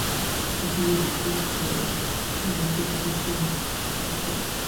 The village of Blissfield is located within the township.